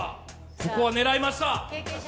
ここは狙いました。